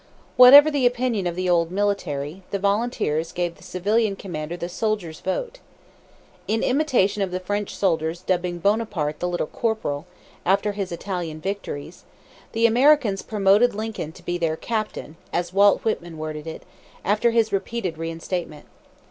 Whatever the opinion of the old military, the volunteers gave the civilian commander "the soldiers' vote." In imitation of the French soldiers dubbing Bonaparte "the Little Corporal," after his Italian victories, the Americans promoted Lincoln to be their "captain," as Walt Whitman worded it, after his repeated reinstatement.